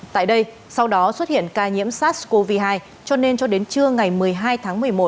tại đây sau đó xuất hiện ca nhiễm sars cov hai cho nên cho đến trưa ngày một mươi hai tháng một mươi một